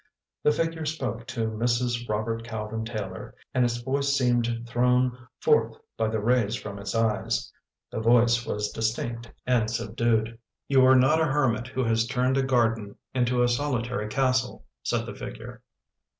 The figure spoke to Mrs. Robert Calvin Taylor, and its voice seemed thrown forth by the rays from its eyes. The voice was distinct and subdued. " You are not a hermit who has turned a garden into a solitary castle," said the figure.